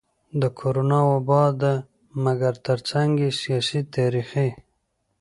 د کرونا وبا ده مګر ترڅنګ يې سياسي, تاريخي,